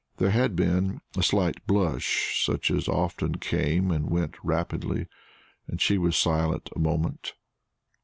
There had been a slight blush, such as often came and went rapidly, and she was silent a moment.